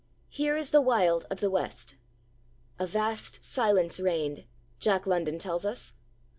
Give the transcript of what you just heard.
Here is the Wild of the West. 'A vast silence reigned,' Jack London tells us.